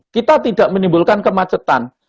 kita tidak menimbulkan kemacetan